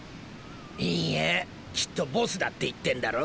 いいえきっとボスだって言ってんだろ？